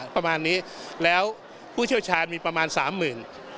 ประมาณนี้แล้วผู้เชี่ยวชาญมีประมาณสามหมื่น